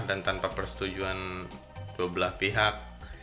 dan tanpa persetujuan dua belah pihak